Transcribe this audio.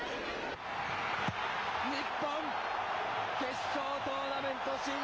日本、決勝トーナメント進出。